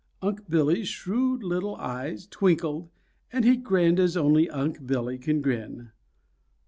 Unc' Billy's shrewd little eyes twinkled, and he grinned as only Unc' Billy can grin.